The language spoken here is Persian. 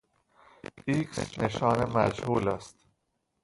ایکس نشان مجهول است.